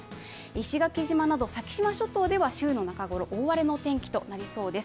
石垣島など先島諸島では週の中ごろ、大荒れのお天気となりそうです。